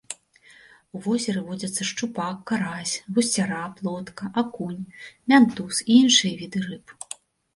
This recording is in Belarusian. У возеры водзяцца шчупак, карась, гусцяра, плотка, акунь, мянтуз і іншыя віды рыб.